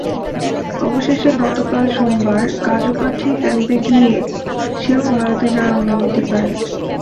অবশেষে গতকাল সোমবার গাজোকাঠি ক্যাম্পে গিয়ে সেও ভারতে যাওয়ার অনুমতি পায়।